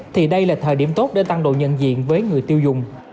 thì đây là thời điểm tốt để tăng độ nhận diện với người tiêu dùng